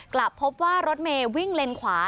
กลับพบว่ารถเมย์วิ่งเลนขวา